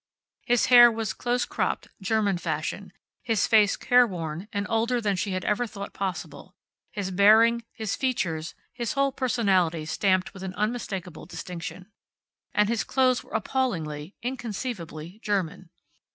His hair was close cropped, German fashion; his face careworn and older than she had ever thought possible; his bearing, his features, his whole personality stamped with an unmistakable distinction. And his clothes were appallingly, inconceivably German.